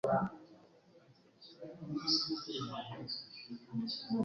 Goddard Institute for Space Studies